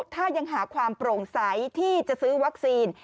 ถ้ายังหาความโปร่งใสที่จะซื้อวัคซีน